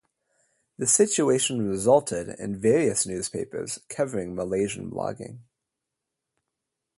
The situation resulted in various newspapers covering Malaysian blogging.